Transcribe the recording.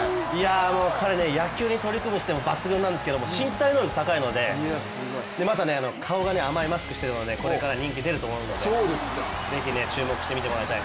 彼ね野球に取り組む姿勢も抜群なんですけど身体能力高いので、また顔が甘いマスクしているのでこれから人気出ると思うのでぜひ注目してもらいたい。